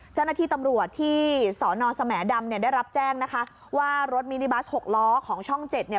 เจ้าหน้าที่ตำรวจที่สอนอสแหมดำเนี่ยได้รับแจ้งนะคะว่ารถมินิบัสหกล้อของช่องเจ็ดเนี่ย